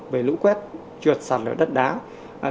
về lũ quét trượt sạt lở đất đá